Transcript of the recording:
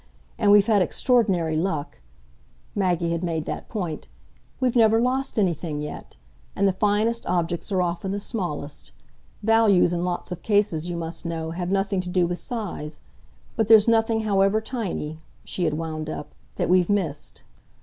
And we've had extraordinary luck" Maggie had made that point; "we've never lost anything yet. And the finest objects are often the smallest. Values, in lots of cases, you must know, have nothing to do with size. But there's nothing, however tiny," she had wound up, "that we've missed."